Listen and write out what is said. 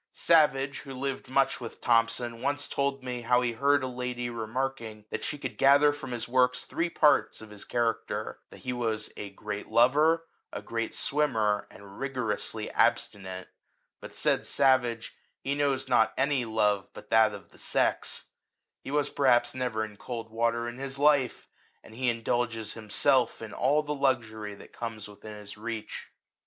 Savage, who lived much with Thomson, once told me, how he heard a lady remarking that she could gather from his works three parts of his cha racter, that he was a " great lover, a great " swimmer, and rigorously abstinent;" but, said Savage, he knows not any love but that of the sex; he was perhaps never in cold water in his life; and he indulges himself in all the luxury that comes within his reach.